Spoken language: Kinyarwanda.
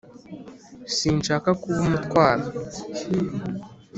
sinshaka kuba umutwaro